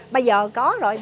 bây giờ có rồi